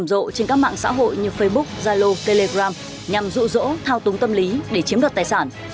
những kẻ lừa đảo đã lợi dụng các mạng xã hội như facebook zalo telegram nhằm rụ rỗ thao túng tâm lý để chiếm đợt tài sản